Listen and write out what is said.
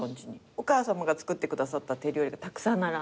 お母さまが作ってくださった手料理がたくさん並んでて。